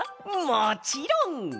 もちろん！